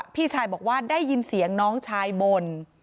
พี่ชายบอกว่าได้ยินเสียงน้องชายบ่น